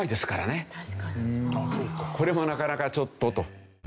これもなかなかちょっとと。